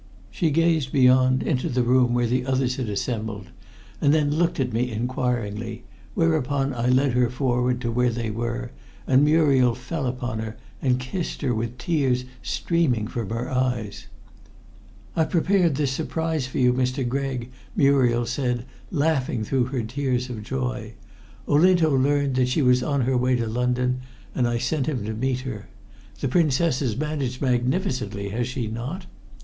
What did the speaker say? She gazed beyond into the room where the others had assembled, and then looked at me inquiringly, whereupon I led her forward to where they were, and Muriel fell upon her and kissed her with tears streaming from her eyes. "I prepared this surprise for you, Mr. Gregg," Muriel said, laughing through her tears of joy. "Olinto learnt that she was on her way to London, and I sent him to meet her. The Princess has managed magnificently, has she not?"